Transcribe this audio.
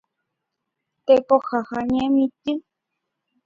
Tekoha ha Ñemitỹ.